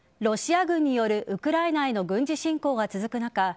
ロシア軍によるウクライナへの軍事侵攻が続く中